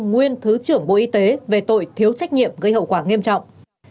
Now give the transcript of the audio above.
nguyên thứ trưởng bộ y tế về tội thiếu trách nhiệm gây hậu quả nghiêm trọng